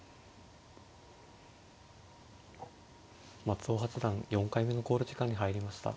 松尾八段４回目の考慮時間に入りました。